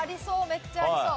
めっちゃありそう。